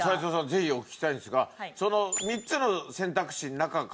ぜひお聞きしたいんですがその３つの選択肢の中からだったんですか？